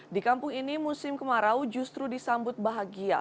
di kampung ini musim kemarau justru disambut bahagia